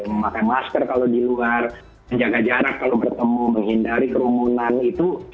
memakai masker kalau di luar menjaga jarak kalau bertemu menghindari kerumunan itu